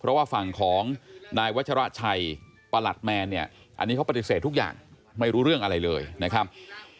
เพราะว่าฝั่งของนายวัชราชัยประหลัดแมนเนี่ยอันนี้เขาปฏิเสธทุกอย่างไม่รู้เรื่องอะไรเลยนะครับ